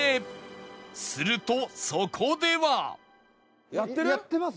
するとそこでは